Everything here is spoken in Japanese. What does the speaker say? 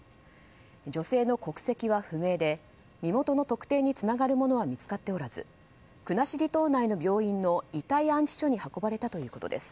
女性の国籍は不明で身元の特定につながるものは見つかっておらず国後島内の病院の遺体安置所に運ばれたということです。